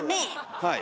はい。